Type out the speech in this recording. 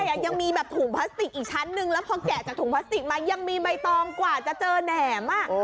แต่ยังมีแบบถุงพลาสติกอีกชั้นนึงแล้วพอแกะจากถุงพลาสติกมายังมีใบตองกว่าจะเจอแหนม